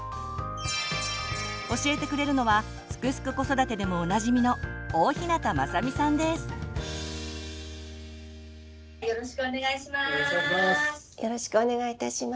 教えてくれるのは「すくすく子育て」でもおなじみのよろしくお願いします。